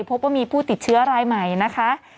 พบว่ามีผู้ติดเชื้อรายใหม่นะคะ